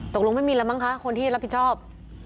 ตกลงไม่มีแล้วมั้งคะคนที่รับผิดชอบ